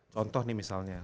contoh nih misalnya